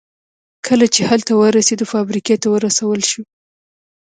کله چې هلته ورسېد فابریکې ته ورسول شو